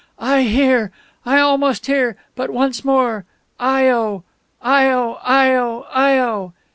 "I hear I almost hear but once more.... IO! _Io, Io, Io!